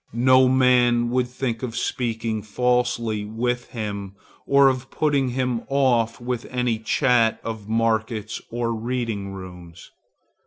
No man would think of speaking falsely with him, or of putting him off with any chat of markets or reading rooms.